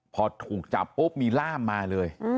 พอถูกจับปุ๊บมีล่ามมาเลย